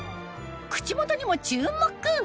口元にも注目！